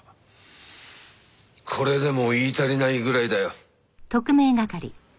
これでも言い足りないぐらいだよ。